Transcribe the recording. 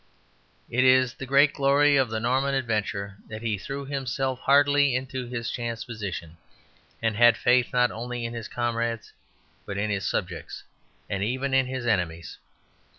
It is the great glory of the Norman adventurer that he threw himself heartily into his chance position; and had faith not only in his comrades, but in his subjects, and even in his enemies.